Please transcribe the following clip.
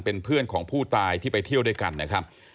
เป็นเพื่อนของผู้ตายที่ไปเที่ยวด้วยกันนะครับ